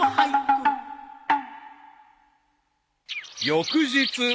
［翌日］